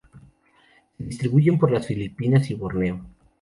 Se distribuyen por las Filipinas y Borneo.